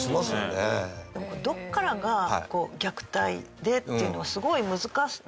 稲垣：どこからが虐待でっていうのは、すごい難しい。